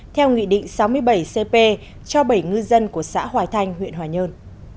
theo nghị định sáu mươi bảy cp cho bảy ngư dân của xã hòa thanh huyện hòa nhơn